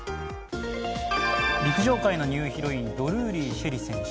陸上界のニューヒロインドルーリー朱瑛里選手。